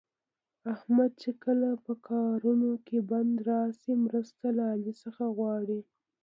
احمد چې کله په کارونو کې بند راشي، مرسته له علي څخه غواړي.